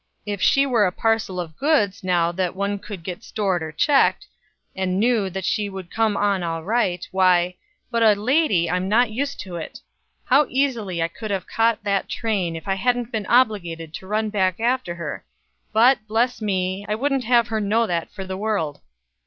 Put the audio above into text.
"If she were a parcel of goods now that one could get stored or checked, and knew that she would come on all right, why but a lady. I'm not used to it. How easily I could have caught that train, if I hadn't been obliged to run back after her; but, bless me, I wouldn't have her know that for the world."